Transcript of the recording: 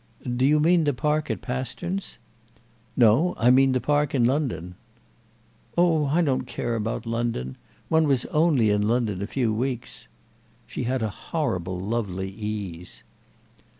"Do you mean the park at Pasterns?" "No; I mean the park in London." "Oh I don't care about London. One was only in London a few weeks." She had a horrible lovely ease.